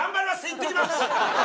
いってきます！